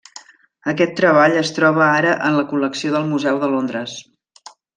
Aquest treball es troba ara en la col·lecció del Museu de Londres.